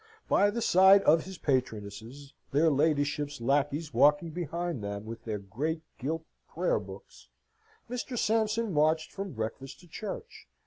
By the side of his patronesses, their ladyships' lacqueys walking behind them with their great gilt prayer books, Mr. Sampson marched from breakfast to church.